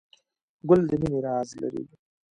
ګل د مینې راز لري.